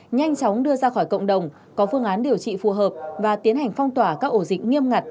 nhanh chóng đưa ra khỏi cộng đồng có phương án điều trị phù hợp và tiến hành phong tỏa các ổ dịch nghiêm ngặt